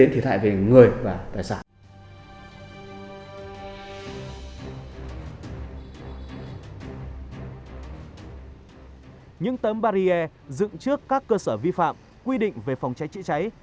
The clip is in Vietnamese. những tấm barrier dựng trước các cơ sở vi phạm quy định về phòng cháy chữa cháy